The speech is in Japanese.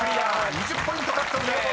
２０ポイント獲得です］